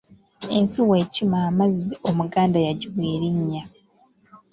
Ensuwa ekima amazzi omuganda yagiwa erinnya .